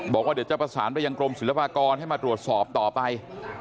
บอกว่าเดี๋ยวจะประสานไปยังกรมศิลปากรให้มาตรวจสอบต่อไป